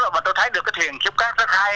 và tôi thấy được cái thuyền xúc cát rất hay